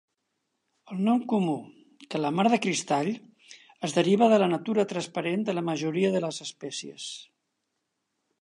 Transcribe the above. El nom comú, calamar de cristall, es deriva de la natura transparent de la majoria de les espècies.